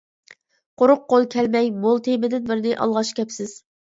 قۇرۇق قول كەلمەي مول تېمىدىن بىرنى ئالغاچ كەپسىز.